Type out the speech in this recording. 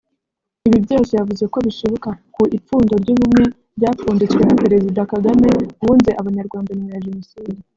Ibi byose yavuze ko bishibuka ku ipfundo ry’Ubumwe ryapfunditswe na Perezida Kagame wunze Abanyarwanda nyuma ya Jenoside